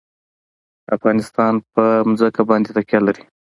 افغانستان په ځمکه باندې تکیه لري.